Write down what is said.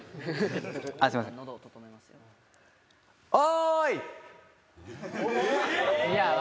おい！